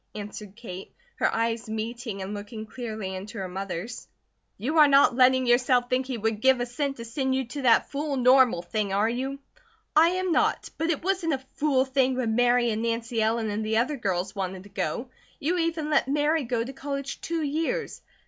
answered Kate, her eyes meeting and looking clearly into her mother's. "You are not letting yourself think he would 'give a cent' to send you to that fool normal thing, are you?" "I am not! But it wasn't a 'fool thing' when Mary and Nancy Ellen, and the older girls wanted to go. You even let Mary go to college two years."